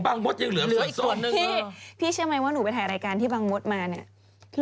อ๋อบางมดยังเหลือส่วนส้มพี่เชื่อไหมว่าหนูไปถ่ายรายการที่บางมดมาเนี่ย